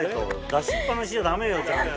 出しっ放しじゃダメよちゃんと。